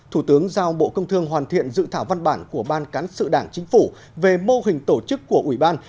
thủ tướng giao bộ công thương hoàn thiện dự thảo văn bản của ban cán sự đảng chính phủ về mô hình tổ chức của ủy ban